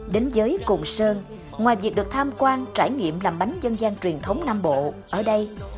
đến giới cồn sơn ngoài việc được tham quan trải nghiệm làm bánh dân gian truyền thống nam bộ ở đây